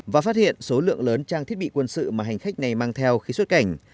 và phát hiện số lượng lớn trang thiết bị quân sự mà hành khách này mang theo khi xuất cảnh